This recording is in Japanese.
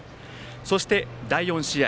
そして、第４試合。